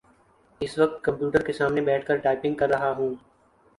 اس وقت کمپیوٹر کے سامنے بیٹھ کر ٹائپنگ کر رہا ہوں